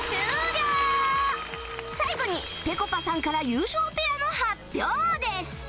最後にぺこぱさんから優勝ペアの発表です